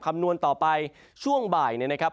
คำนวณต่อไปช่วงบ่ายเนี่ยนะครับ